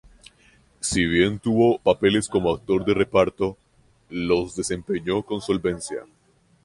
Si bien tuvo papeles como actor de reparto, los desempeñó con solvencia.